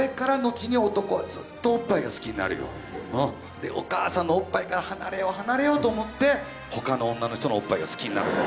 でお母さんのおっぱいから離れよう離れようと思って他の女の人のおっぱいが好きになるんだもん。